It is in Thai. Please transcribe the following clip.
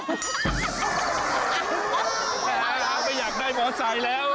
ไม่อยากได้หมอสัยแล้วไม่อยากได้แล้ว